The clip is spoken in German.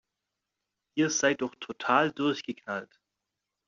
Ihr seid doch total durchgeknallt!